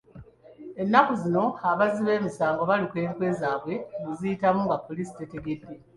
Ennaku zino abazzi b'emisango baluka enkwe zaabwe neziyitamu nga Poliisi tetegedde.